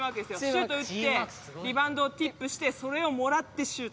シュート打ってリバウンドをティップしてそれをもらってシュート。